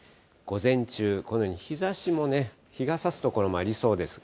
午前中、このように日ざしもね、日がさす所もありそうです。